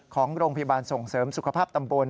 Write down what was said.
ของโรงพยาบาลส่งเสริมสุขภาพตำบล